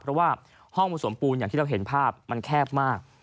เพราะว่าห้องผสมปูนอย่างที่เราเห็นภาพมันแคบมาก